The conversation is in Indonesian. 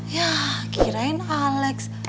yah kirain alex